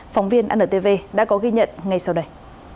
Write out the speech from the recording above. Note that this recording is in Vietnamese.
phóng viên antv đã có ghi nhận ngay sau đây